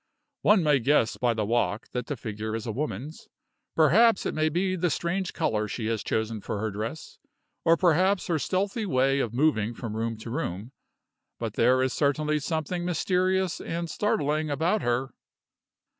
"One may guess by the walk that the figure is a woman's. Perhaps it may be the strange color she has chosen for her dress, or perhaps her stealthy way of moving from room to room; but there is certainly something mysterious and startling about her."